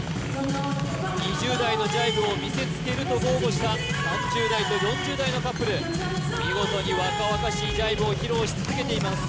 ２０代のジャイブを見せつけると豪語した３０代と４０代のカップル見事に若々しいジャイブを披露し続けています